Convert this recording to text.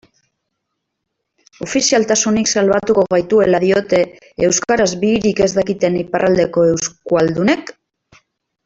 Ofizialtasunak salbatuko gaituela diote euskaraz bihirik ez dakiten iparraldeko euskualdunek?